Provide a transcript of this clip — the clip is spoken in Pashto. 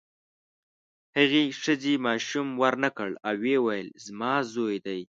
هغې ښځې ماشوم ورنکړ او ویې ویل زما زوی دی.